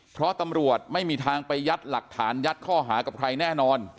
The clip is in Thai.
เพราะตำรวจไม่มีทางไปยัดหลักฐานยัดข้อหากับใครแน่นอน